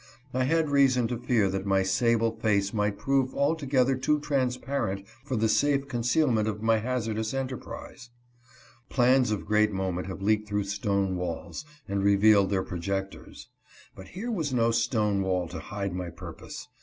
I had rea son to fear that my sable face might prove altogether too transparent for the safe concealment of my hazardous enterprise. Plans of great moment have leaked through stone walls, and revealed their projectors. But here was no stone wall to hide my purpose.